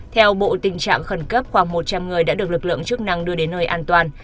theo bộ tình trạng khẩn cấp khoảng một trăm linh người đã được lực lượng chức năng đưa đến nơi an toàn